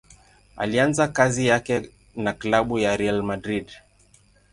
Alianza kazi yake na klabu ya Real Madrid.